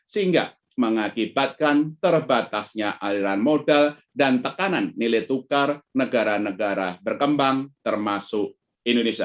sehingga mengakibatkan terbatasnya aliran modal dan tekanan nilai tukar negara negara berkembang termasuk indonesia